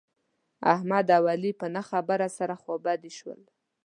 احمد او علي په نه خبره سره خوابدي شول.